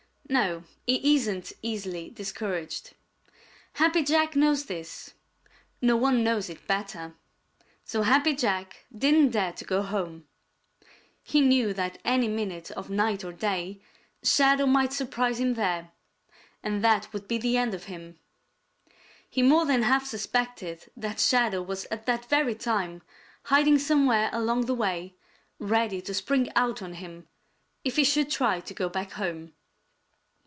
No, he isn't easily discouraged. Happy Jack knows this. No one knows it better. So Happy Jack didn't dare to go home. He knew that any minute of night or day Shadow might surprise him there, and that would be the end of him. He more than half suspected that Shadow was at that very time hiding somewhere along the way ready to spring out on him if he should try to go back home.